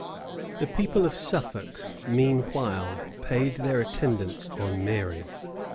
The people of Suffolk, meanwhile, paid their attendance on Mary.